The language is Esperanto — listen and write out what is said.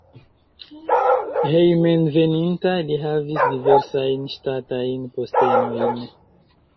Hejmenveninta li havis diversajn ŝtatajn postenojn.